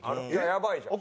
やばいじゃん。